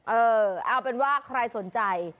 เออเอาเป็นว่าใครสนใจ